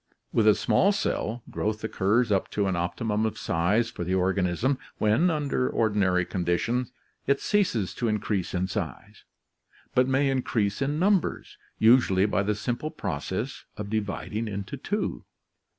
With a small cell, growth occurs up to an optimum of size for the organism, when, under ordinary conditions, it ceases to increase in size, but may increase in numbers, usually by the simple process of dividing into two.